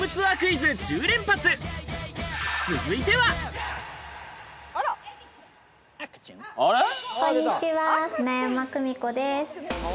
続いてはこんにちは舟山久美子です。